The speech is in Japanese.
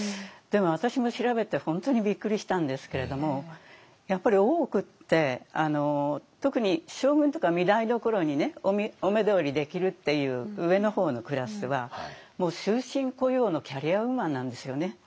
でも私も調べて本当にびっくりしたんですけれどもやっぱり大奥って特に将軍とか御台所にお目通りできるっていう上の方のクラスはもう終身雇用のキャリアウーマンなんですよね。